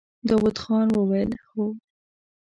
داوود خان وويل: هو!